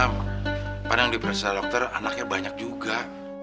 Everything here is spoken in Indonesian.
karena yang diperiksa dokter anaknya banyak juga